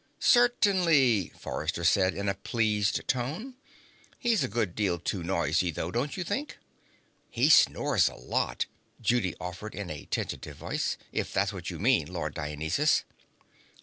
"Certainly," Forrester said in a pleased tone. "He's a good deal too noisy, though, don't you think?" "He snores a lot," Judy offered in a tentative voice, "if that's what you mean, Lord Dionysus."